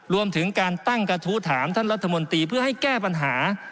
รวมถึงการตั้งกระทู้ถามท่านรัฐมนตรีเพื่อให้แก้ปัญหา